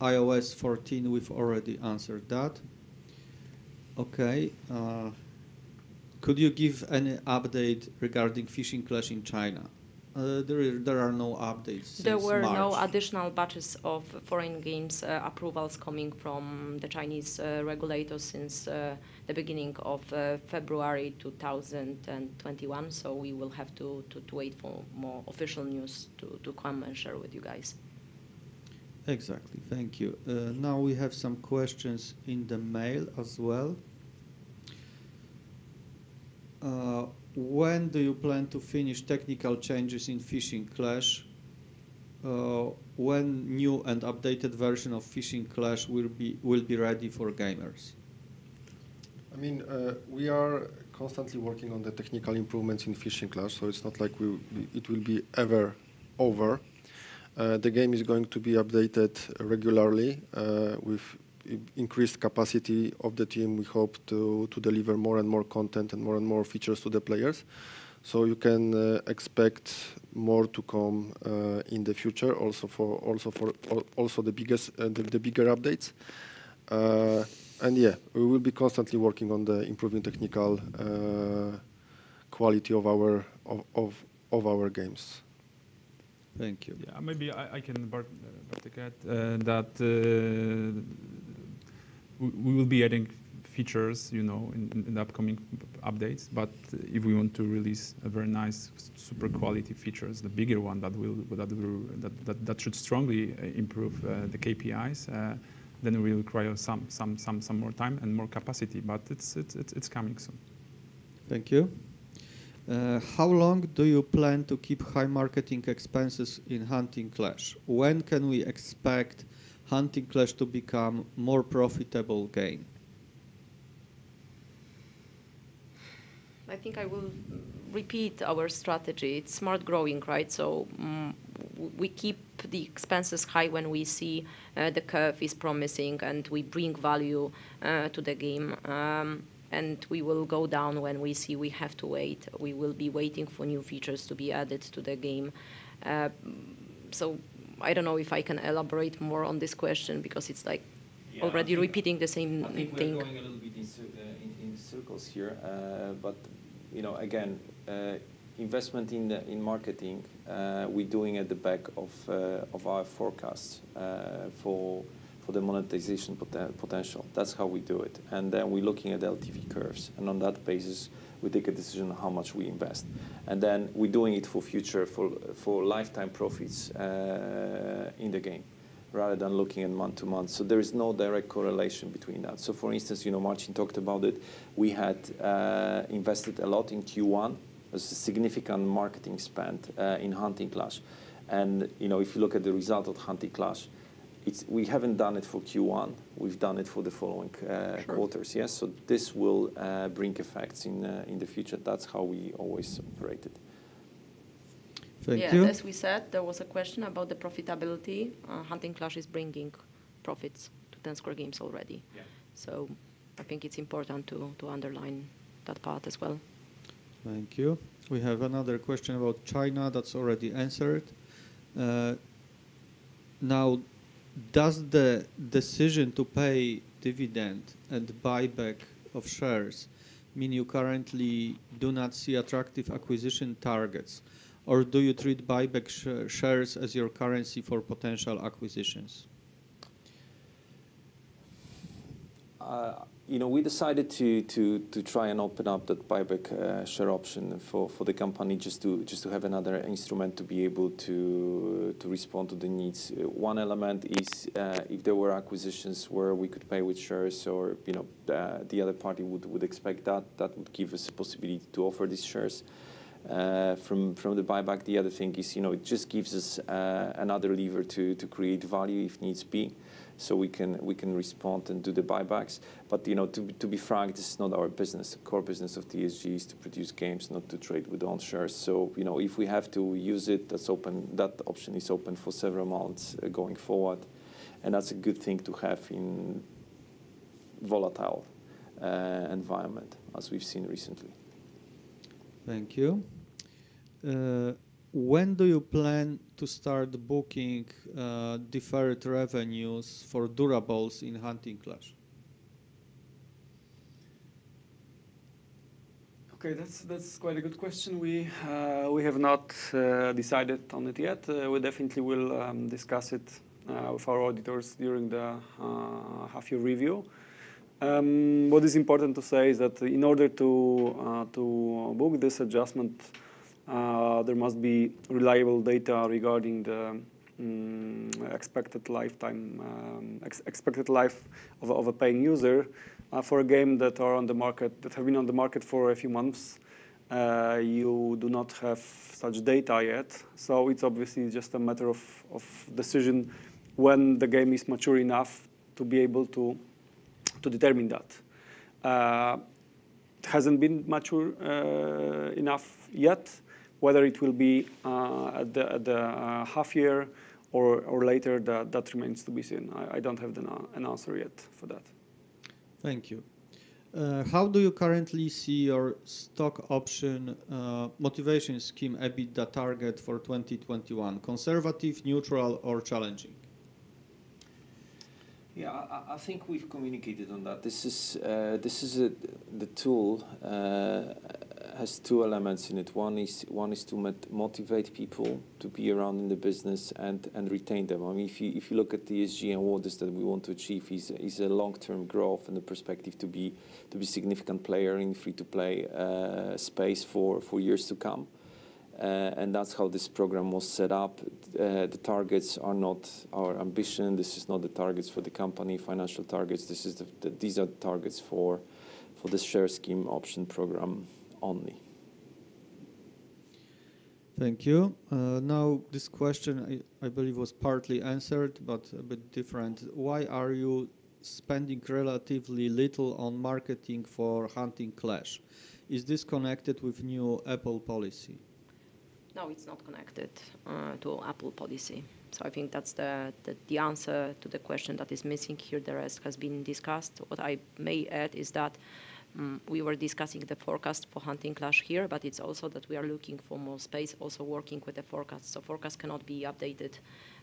iOS 14, we've already answered that. Okay. Could you give any update regarding Fishing Clash in China? There are no updates since March. There were no additional batches of foreign games approvals coming from the Chinese regulators since the beginning of February 2021, so we will have to wait for more official news to come and share with you guys. Exactly. Thank you. Now we have some questions in the mail as well. When do you plan to finish technical changes in Fishing Clash? When new and updated version of Fishing Clash will be ready for gamers? We are constantly working on the technical improvements in Fishing Clash, so it's not like it will be ever over. The game is going to be updated regularly. With increased capacity of the team, we hope to deliver more and more content and more and more features to the players. You can expect more to come in the future, also the bigger updates. And yeah, we will be constantly working on improving technical quality of our games. Thank you. Yeah, maybe I can butt in. We will be adding features in the upcoming updates. If we want to release a very nice, super quality feature, the bigger one, that should strongly improve the KPIs, then we'll require some more time and more capacity, but it's coming soon. Thank you. How long do you plan to keep high marketing expenses in "Hunting Clash"? When can we expect "Hunting Clash" to become more profitable game? I think I will repeat our strategy. It's smart growing. We keep the expenses high when we see the curve is promising, and we bring value to the game. We will go down when we see we have to wait. We will be waiting for new features to be added to the game. I don't know if I can elaborate more on this question because it's like already repeating the same thing. Yeah. I think we're going a little bit in circles here. Again, investment in marketing, we're doing at the back of our forecast for the monetization potential. That's how we do it. Then we're looking at LTV curves, and on that basis, we take a decision on how much we invest. Then we're doing it for future, for lifetime profits in the game, rather than looking at month to month. There is no direct correlation between that. For instance, Marcin talked about it, we had invested a lot in Q1, a significant marketing spend in Hunting Clash. If you look at the result of Hunting Clash, we haven't done it for Q1, we've done it for the following quarters. Sure. This will bring effects in the future. That's how we always operated. Thank you. Yeah, as we said, there was a question about the profitability. Hunting Clash is bringing profits to Ten Square Games already. Yeah. I think it's important to underline that part as well. Thank you. We have another question about China, that is already answered. Now, does the decision to pay dividend and buyback of shares mean you currently do not see attractive acquisition targets? Do you treat buyback shares as your currency for potential acquisitions? We decided to try and open up that buyback share option for the company just to have another instrument to be able to respond to the needs. One element is, if there were acquisitions where we could pay with shares or the other party would expect that would give us possibility to offer these shares from the buyback. The other thing is, it just gives us another lever to create value if needs be, so we can respond and do the buybacks. To be frank, this is not our business. The core business of TSG is to produce games, not to trade with own shares. If we have to use it, that option is open for several months going forward, and that's a good thing to have in volatile environment, as we've seen recently. Thank you. When do you plan to start booking deferred revenues for durables in 'Hunting Clash?' Okay, that's quite a good question. We have not decided on it yet. We definitely will discuss it with our auditors during the half year review. What is important to say is that in order to book this adjustment, there must be reliable data regarding the expected life of a paying user. For a game that has been on the market for a few months, you do not have such data yet. It's obviously just a matter of decision when the game is mature enough to be able to determine that. Hasn't been mature enough yet. Whether it will be at the half year or later, that remains to be seen. I don't have an answer yet for that. Thank you. How do you currently see your stock option motivation scheme EBITDA target for 2021? Conservative, neutral, or challenging? Yeah. I think we've communicated on that. The tool has two elements in it. One is to motivate people to be around in the business and retain them. If you look at TSG and what is that we want to achieve is a long-term growth and the perspective to be a significant player in free-to-play space for years to come. That's how this program was set up. The targets are not our ambition. This is not the targets for the company, financial targets. These are the targets for the share scheme option program only. Thank you. Now, this question, I believe was partly answered, but a bit different. Why are you spending relatively little on marketing for Hunting Clash? Is this connected with new Apple policy? No, it's not connected to Apple policy. I think that's the answer to the question that is missing here. The rest has been discussed. What I may add is that we were discussing the forecast for Hunting Clash here, but it's also that we are looking for more space, also working with the forecast. Forecast cannot be updated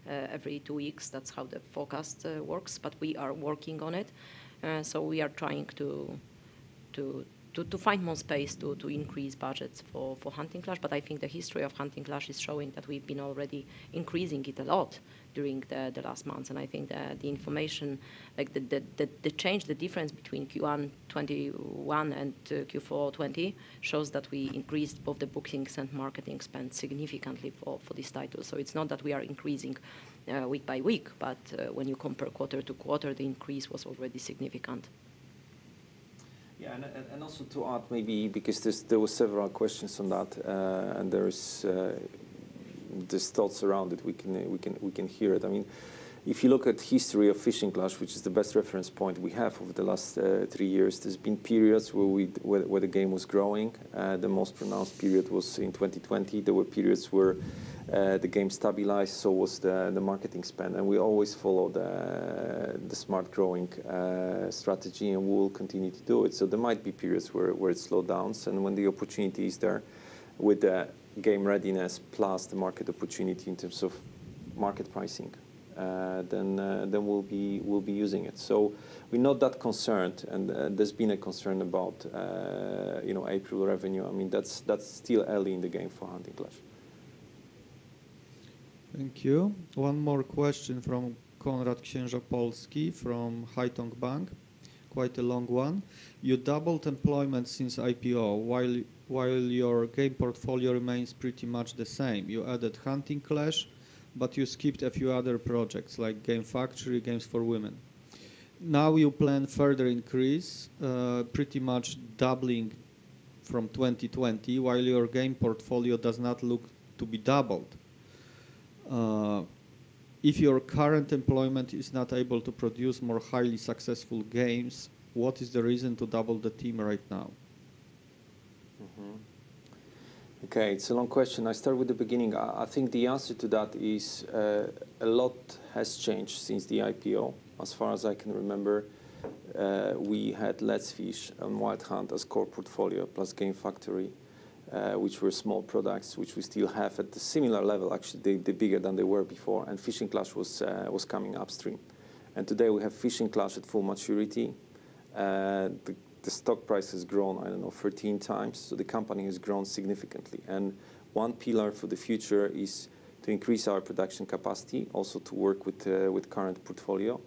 every two weeks. That's how the forecast works. We are working on it. To find more space to increase budgets for "Hunting Clash." I think the history of "Hunting Clash" is showing that we've been already increasing it a lot during the last months. I think the change, the difference between Q1 2021 and Q4 2020, shows that we increased both the bookings and marketing spend significantly for this title. It's not that we are increasing week by week, but when you compare quarter to quarter, the increase was already significant. Also to add maybe, because there were several questions on that, and there's this thought around it, we can hear it. If you look at history of Fishing Clash, which is the best reference point we have over the last three years, there's been periods where the game was growing. The most pronounced period was in 2020. There were periods where the game stabilized, so was the marketing spend. We always follow the smart growing strategy, and we will continue to do it. There might be periods where it slow downs, and when the opportunity is there with the game readiness plus the market opportunity in terms of market pricing, then we'll be using it. We're not that concerned, and there's been a concern about April revenue. That's still early in the game for Hunting Clash. Thank you. One more question from Konrad Księżopolski from Haitong Bank, quite a long one. You doubled employment since IPO, while your game portfolio remains pretty much the same. You added "Hunting Clash," you skipped a few other projects like Game Factory, Games for Women. Now you plan further increase, pretty much doubling from 2020, while your game portfolio does not look to be doubled. If your current employment is not able to produce more highly successful games, what is the reason to double the team right now? Okay. It's a long question. I'll start with the beginning. I think the answer to that is, a lot has changed since the IPO. As far as I can remember, we had Let's Fish and Wild Hunt as core portfolio, plus Game Factory, which were small products, which we still have at a similar level, actually. They're bigger than they were before. Fishing Clash was coming upstream. Today, we have Fishing Clash at full maturity. The stock price has grown, I don't know, 13x. The company has grown significantly. One pillar for the future is to increase our production capacity, also to work with current portfolio,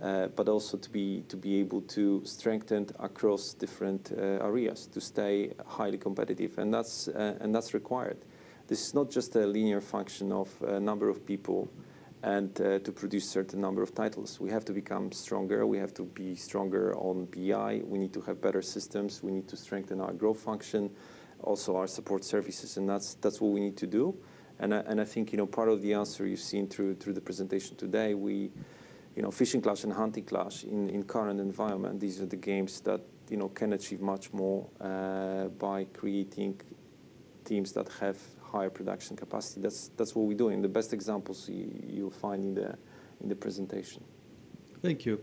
but also to be able to strengthen across different areas to stay highly competitive. That's required. This is not just a linear function of a number of people and to produce certain number of titles. We have to become stronger. We have to be stronger on BI. We need to have better systems. We need to strengthen our growth function, also our support services, that's what we need to do. I think, part of the answer you've seen through the presentation today. "Fishing Clash" and "Hunting Clash" in current environment, these are the games that can achieve much more by creating teams that have high production capacity. That's what we're doing. The best examples you'll find in the presentation. Thank you.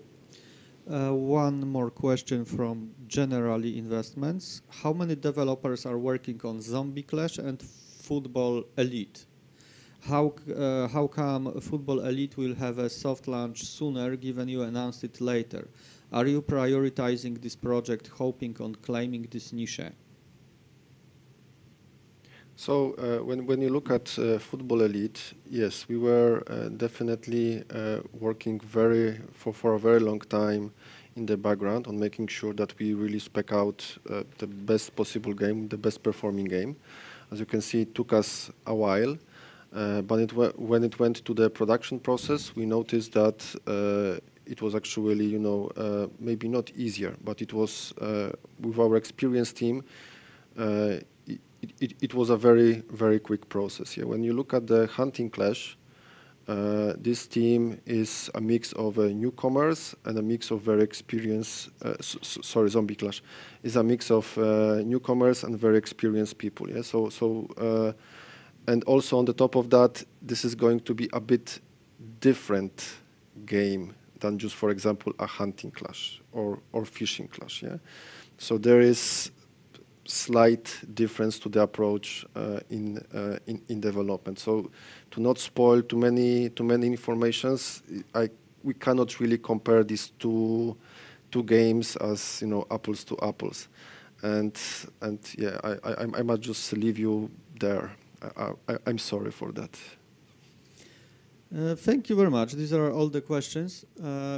One more question from Generali Investments. How many developers are working on "Undead Clash" and "Football Elite?" How come "Football Elite" will have a soft launch sooner given you announced it later? Are you prioritizing this project, hoping on claiming this niche? When you look at "Football Elite," yes, we were definitely working for a very long time in the background on making sure that we really spec out the best possible game, the best performing game. As you can see, it took us a while. When it went to the production process, we noticed that it was actually, maybe not easier, but with our experienced team, it was a very quick process. "Undead Clash" is a mix of newcomers and very experienced people. Also on the top of that, this is going to be a bit different game than just, for example, a "Hunting Clash" or "Fishing Clash." There is slight difference to the approach in development. To not spoil too many informations, we cannot really compare these two games as apples to apples. Yeah, I might just leave you there. I'm sorry for that. Thank you very much. These are all the questions.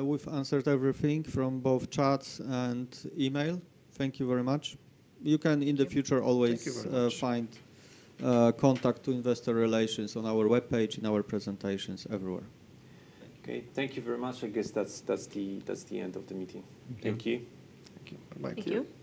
We've answered everything from both chat and email. Thank you very much. You can, in the future, always. Thank you very much find contact to Investor Relations on our webpage and our presentations everywhere. Okay. Thank you very much. I guess that's the end of the meeting. Thank you. Thank you. Thank you.